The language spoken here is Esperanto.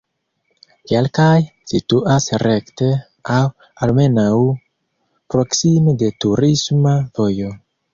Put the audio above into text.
Kelkaj situas rekte aŭ almenaŭ proksime de turisma vojo.